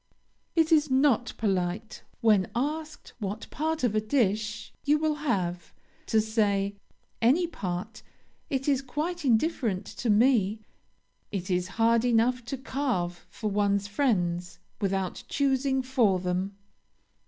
It is not polite when asked what part of a dish you will have, to say, "Any part it is quite indifferent to me;" it is hard enough to carve for one's friends, without choosing for them.